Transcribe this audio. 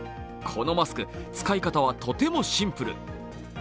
このマスク、使い方はとてもシンプル。